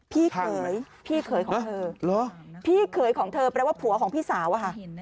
พี่เขยพี่เขยของเธอพี่เขยของเธอแปลว่าผัวของพี่สาวอะค่ะ